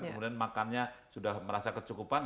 kemudian makannya sudah merasa kecukupan